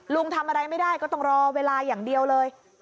ทำอะไรไม่ได้ก็ต้องรอเวลาอย่างเดียวเลย